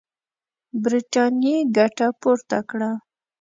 برټانیې ګټه پورته کړه.